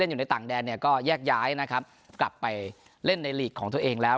อยู่ในต่างแดนเนี่ยก็แยกย้ายนะครับกลับไปเล่นในหลีกของตัวเองแล้ว